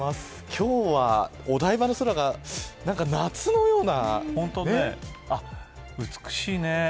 今日は、お台場の空が夏のような美しいね。